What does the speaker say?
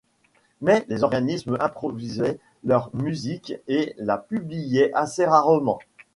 Mais les organistes improvisaient leur musique et la publiaient assez rarement.